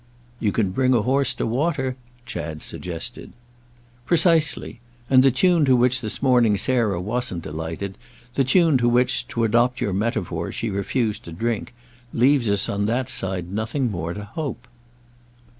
"You can bring a horse to water—!" Chad suggested. "Precisely. And the tune to which this morning Sarah wasn't delighted—the tune to which, to adopt your metaphor, she refused to drink—leaves us on that side nothing more to hope."